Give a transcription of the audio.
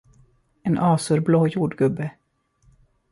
En azurblå jordgubbe.